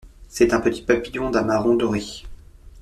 C'est un petit papillon d'un marron doré.